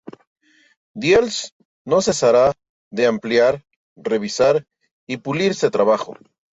Diels no cesará de ampliar, revisar y pulir este trabajo.